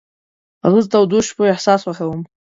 زه د تودو شپو احساس خوښوم.